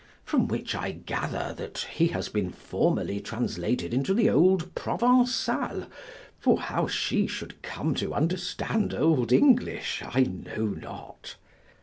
From which I gather that he has been formerly translated into the old Provençal (for how she should come to understand old English I know not).